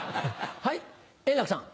はい円楽さん。